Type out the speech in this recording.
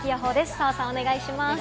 澤さん、お願いします。